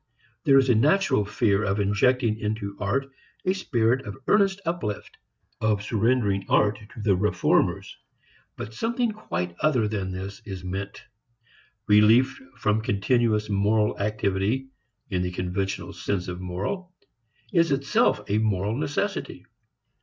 There is a natural fear of injecting into art a spirit of earnest uplift, of surrendering art to the reformers. But something quite other than this is meant. Relief from continuous moral activity in the conventional sense of moral is itself a moral necessity.